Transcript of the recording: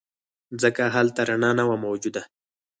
ځکه هلته رڼا نه وه موجوده.